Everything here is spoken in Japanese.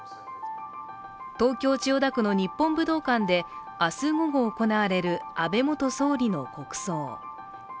東京・千代田区の日本武道館で明日午後行われる安倍元総理の国葬。